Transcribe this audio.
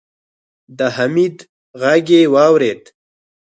د حميد غږ يې واورېد.